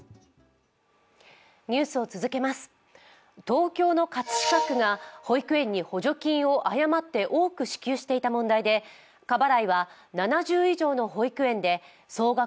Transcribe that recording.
東京の葛飾区が保育園に補助金を誤って多く支給していた問題で過払いは７０以上の保育園で総額